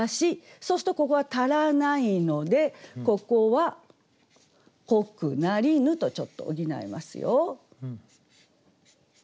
そうするとここが足らないのでここは「濃くなりぬ」とちょっと補いますよ。